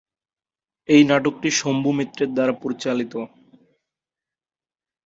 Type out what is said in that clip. এই নাটকটি শম্ভু মিত্রের দ্বারা পরিচালিত।